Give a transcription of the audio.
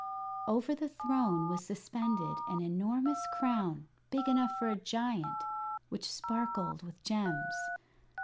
Over the throne was suspended an enormous crown big enough for a giant which sparkled with gems.